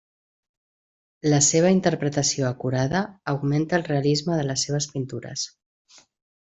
La seva interpretació acurada augmenta el realisme de les seves pintures.